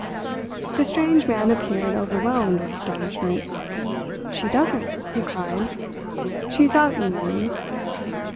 The strange man appeared overwhelmed with astonishment. "She doesn't?" he cried. "She is out, you mean!"